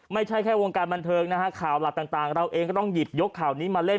ไม่ใช่แค่วงการบันเทิงนะฮะข่าวหลักต่างเราเองก็ต้องหยิบยกข่าวนี้มาเล่น